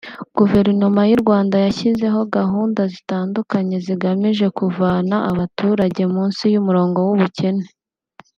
Guverinoma y’u Rwanda yashyizeho gahunda zitandukanye zigamije kuvana abaturage munsi y’umurongo w’ubukene